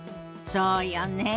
そうよね。